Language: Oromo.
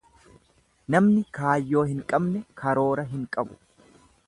Namni kaayyoo hin qabne karoora hin qabu.